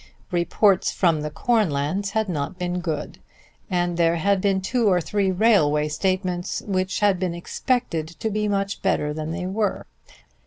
Reports from the corn lands had not been good, and there had been two or three railway statements which had been expected to be much better than they were.